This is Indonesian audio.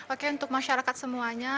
oke untuk masyarakat semuanya